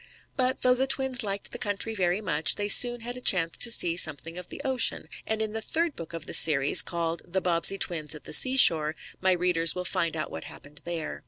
But, though the twins liked the country very much, they soon had a chance to see something of the ocean, and in the third book of the series, called "The Bobbsey Twins at the Seashore," my readers will find out what happened there.